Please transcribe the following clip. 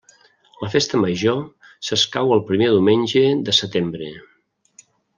La festa major s'escau el primer diumenge de setembre.